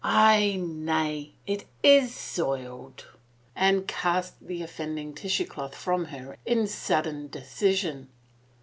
" Aye ... nay, it is soiled." Anne cast the offending tissue cloth from her in sudden decision.